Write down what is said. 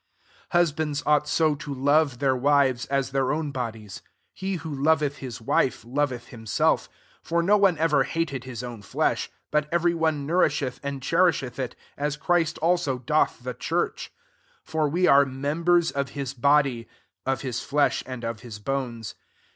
28 Husbands ought so to love their wives, as their own bodies. He who lovedi his wife, loveth himself: 29 for no one ever hated his own flesh; but every one nourisheth and cherisheth it, as Christ also doth the church : 30 for we are members of his body ; [of his flesh, and of his bones.